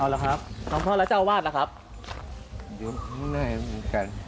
หรอกครับหลวงพ่อและเจ้าวาดล่ะครับอยู่ข้างในเหมือนกัน